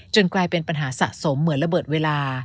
กลายเป็นปัญหาสะสมเหมือนระเบิดเวลา